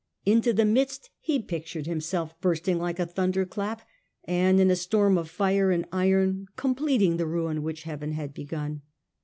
Into the midst he pictured himself bursting like a thunder clap, and in a storm of fire and iron completing the ruin which Heaven had begun.